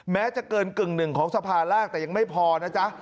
แม้จะเกินกึ่งหนึ่งของสภาร่างแต่ยังไม่พอนะจ๊ะ